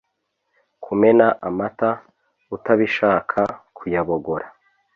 kumena amata utabishaka kuyabogora